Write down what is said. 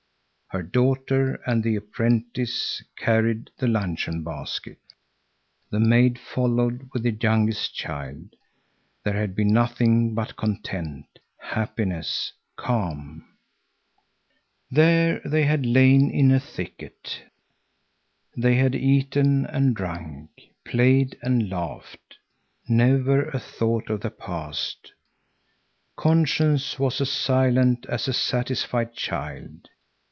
Her daughter and the apprentice carried the luncheon basket. The maid followed with the youngest child. There had been nothing but content, happiness, calm. There they had lain in a thicket. They had eaten and drunk, played and laughed. Never a thought of the past! Conscience was as silent as a satisfied child.